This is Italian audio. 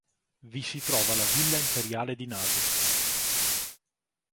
Vi si trova la Villa imperiale di Nasu